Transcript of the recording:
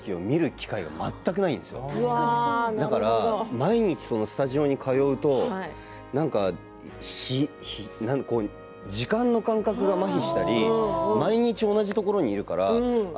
毎日スタジオに通うと時間の感覚が、まひしたり毎日同じところにいるからあれ？